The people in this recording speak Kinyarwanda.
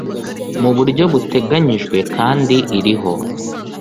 mu buryo buteganyijwe kandi iriho